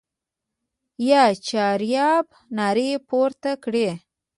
یا چهاریار نارې پورته کړې.